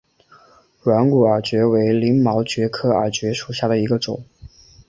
软骨耳蕨为鳞毛蕨科耳蕨属下的一个种。